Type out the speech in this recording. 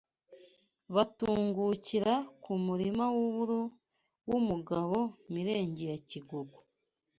batungukira ku murima w’uburo w’umugabo Mirenge ya Kigogo